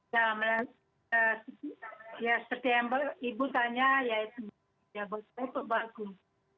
ya menurut saya ya september ibu tanya ya itu ya bagus bagus